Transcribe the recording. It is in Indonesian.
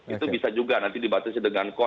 itu bisa juga nanti dibatasi dengan